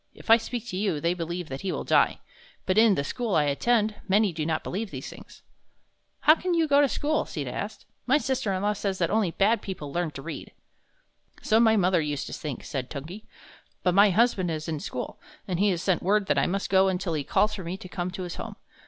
If I speak to you, they believe that he will die. But in the school I attend, many do not believe these things." "How can you go to school?" Sita asked. "My sister in law says that only bad people learn to read." "So my mother used to think," said Tungi; "but my husband is in school, and he has sent word that I must go until he calls for me to come to his home.